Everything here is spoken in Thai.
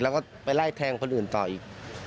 แล้วก็ไปไล่แทงคนอื่นต่ออีก